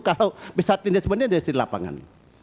kalau bisa tindas menindas di lapangan